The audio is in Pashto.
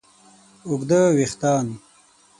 اوږده وېښتیان